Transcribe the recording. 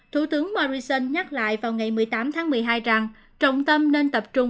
thủ tướng morrison nhắc lại vào ngày một mươi tám tháng một mươi hai rằng trọng tâm nên tập trung